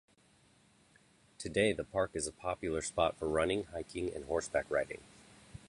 Today the park is a popular spot for running, hiking and horseback riding.